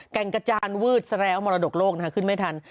แก่งกระจานวืดแสรวมรดกโลกขึ้นไม่ทัน